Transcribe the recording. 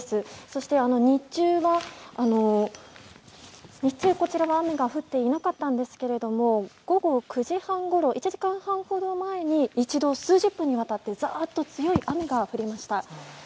そして日中こちらは雨が降っていなかったんですが午後９時半ごろ、１時間ほど前に一度、数十分にわたりザーッと強い雨が降りました。